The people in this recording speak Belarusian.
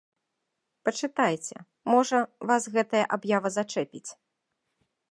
Пачытайце, можа, вас гэтая аб'ява зачэпіць!